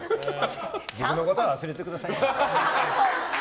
僕のことは忘れてください。